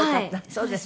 そうですか。